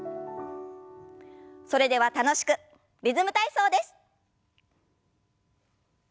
それでは楽しくリズム体操です。